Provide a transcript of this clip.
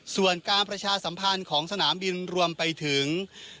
ส่วนการประชาสัมพันธ์ของสนามบินรวมไปถึง